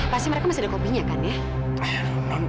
pasti mereka masih ada kopinya kan ya